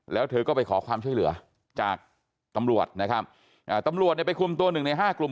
แล้วเธอก็ไปขอความช่วยเหลือจากตำรวจนะตำรวจไปคุมตัว๑ใน๕กลุ่ม